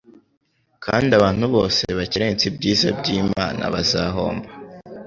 Kandi abantu bose bakerensa ibyiza by'Imana bazahomba.